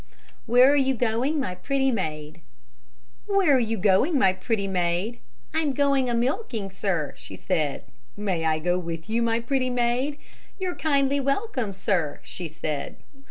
WHERE ARE YOU GOING, MY PRETTY MAID "Where are you going, my pretty maid?" "I'm going a milking, sir," she said. "May I go with you, my pretty maid?" "You're kindly welcome, sir," she said.